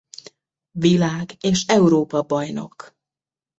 Világ- és Európa-bajnok.